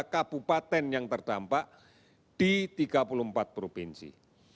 tiga kabupaten yang terdampak di tiga puluh empat provinsi